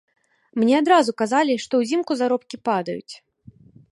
Мне адразу казалі, што ўзімку заробкі падаюць.